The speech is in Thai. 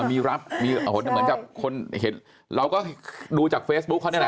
มีรับมีแต่เหมือนกับคนเห็นเราก็ดูจากเฟซบุ๊คเขานี่แหละ